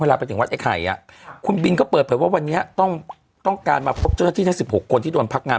เวลาไปถึงวัดไอ้ไข่คุณบินก็เปิดเผยว่าวันนี้ต้องการมาพบเจ้าหน้าที่ทั้ง๑๖คนที่โดนพักงาน